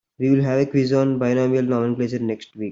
We will have a quiz on binomial nomenclature next week.